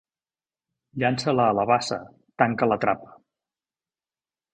Llança-la a la bassa, tanca la trapa.